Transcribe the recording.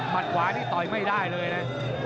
ขวานี่ต่อยไม่ได้เลยนะ